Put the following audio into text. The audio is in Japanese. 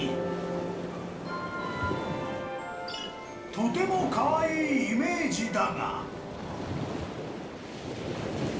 ［とてもカワイイイメージだが］